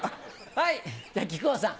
じゃあ木久扇さん。